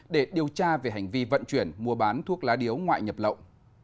để điều tra về hành vi vận chuyển mua bán thuốc lá điếu ngoại nhập lậu